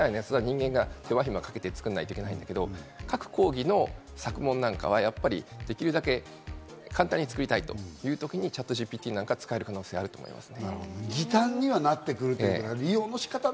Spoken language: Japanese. それも入試みたいなやつは人間が手間暇かけて作らなくちゃいけないけど、各講義の作問なんかは、できるだけ簡単に作りたいっていうときにＣｈａｔＧＰＴなんか使える可能性があると思います。